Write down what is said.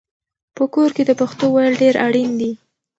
په کور کې د پښتو ویل ډېر اړین دي.